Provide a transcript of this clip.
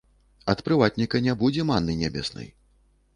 Ад прыватніка не будзе манны нябеснай.